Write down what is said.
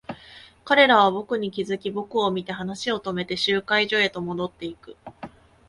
彼らは僕に気づき、僕を見て話を止めて、集会所へと戻っていく。